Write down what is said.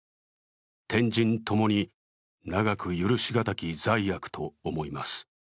天人共に長く許し難い罪悪と思います。